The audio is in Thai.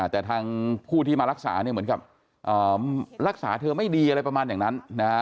แต่ทางผู้ที่มารักษาเหมือนกับรักษาเธอไม่ดีอะไรประมาณอย่างนั้น